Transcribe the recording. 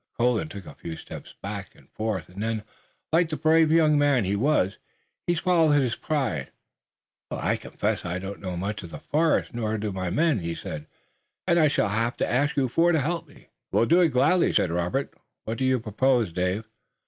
Colden took a few steps back and forth, and then, like the brave young man he was, he swallowed his pride. "I confess that I don't know much of the forest, nor do my men," he said, "and so I shall have to ask you four to help me." "We'll do it gladly," said Robert. "What do you propose, Dave?"